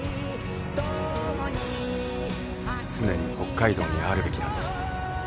常に北海道にあるべきなんです。